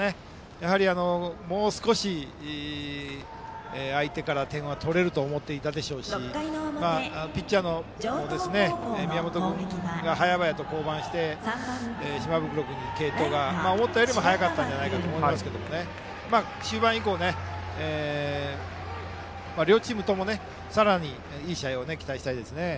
やはりもう少し、相手から点を取れると思っていたでしょうしピッチャーの宮本君が早々と降板して島袋君への継投が思ったよりも早かったと思いますが中盤以降、両チームともさらにいい試合を期待したいですね。